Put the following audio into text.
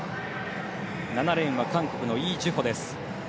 ７レーンは韓国のイ・ジュホです。